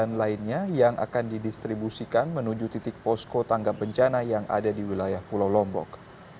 lainnya yang akan didistribusikan menuju titik posko tangga bencana yang ada di wilayah pulau lombok